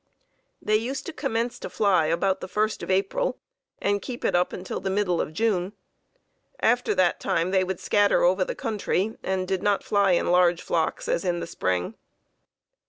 They used to commence to fly about the 1st of April and keep it up until the middle of June. After that time they would scatter over the country, and did not fly in large flocks as in the spring.